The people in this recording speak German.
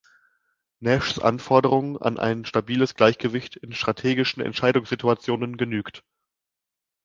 Nashs Anforderungen an ein stabiles Gleichgewicht in strategischen Entscheidungssituationen genügt.